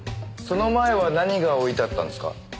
その前は何が置いてあったんですか？